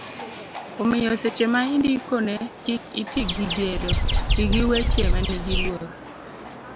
omiyo seche ma indiko ne kik iti gi gero, ti gi weche manigi luor